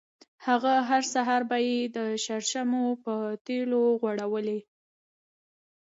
هغه هر سهار به یې د شرشمو په تېلو غوړولې.